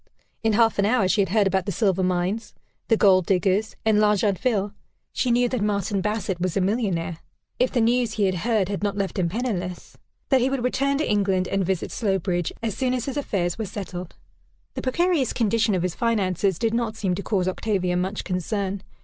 In half an hour she had heard about the silver mines, the gold diggers, and L'Argentville; she knew that Martin Bassett was a millionnaire, if the news he had heard had not left him penniless; that he would return to England, and visit Slowbridge, as soon as his affairs were settled. The precarious condition of his finances did not seem to cause Octavia much concern.